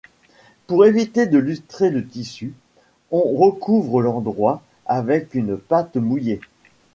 Pour éviter de lustrer le tissu, on recouvre l'endroit avec une patte-mouille.